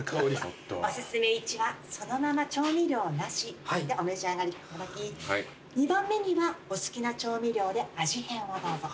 お薦め１はそのまま調味料なしでお召し上がりいただき２番目にはお好きな調味料で味変をどうぞ。